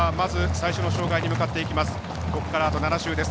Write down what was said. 最初の障害に向かっていきます。